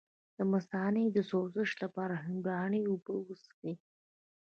د مثانې د سوزش لپاره د هندواڼې اوبه وڅښئ